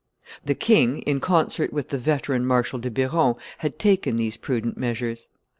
The king, in concert with the veteran Marshal de Biron, had taken these prudent measures.